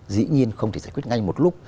dĩ nhiên không thể giải quyết ngay một lúc